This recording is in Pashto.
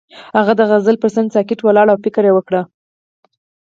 هغه د غزل پر څنډه ساکت ولاړ او فکر وکړ.